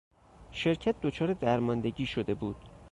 شرکت دچار درماندگی شده بود.